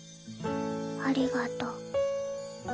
ありがとう。